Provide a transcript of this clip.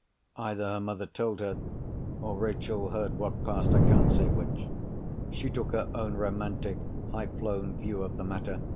Either her mother told her, or Rachel heard what passed—I can't say which. She took her own romantic, high flown view of the matter.